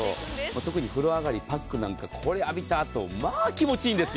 特に風呂上がり、パックなんかこれ浴びた後気持ちいいですよ。